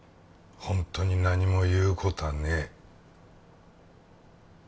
ホントに何も言うことはねえ